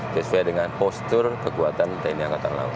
sesuai dengan postur kekuatan tni angkatan laut